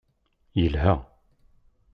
Yelha!